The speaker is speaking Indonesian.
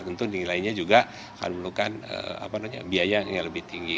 tentu yang lainnya juga akan membutuhkan biaya yang lebih tinggi